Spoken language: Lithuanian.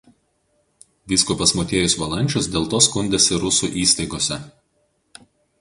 Vyskupas Motiejus Valančius dėl to skundėsi rusų įstaigose.